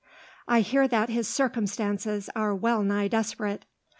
I hear that his circumstances are well nigh desperate.